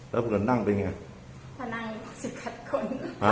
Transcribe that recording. เรากันนั่งเป็นยังถ้านั่งสักกัดคนฮะ